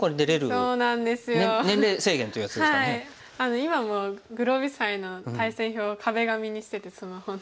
今もグロービス杯の対戦表を壁紙にしててスマホの。